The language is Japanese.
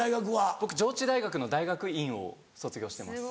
僕上智大学の大学院を卒業してます。